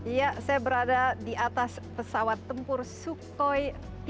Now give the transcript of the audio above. iya saya berada di atas pesawat tempur sukhoi tiga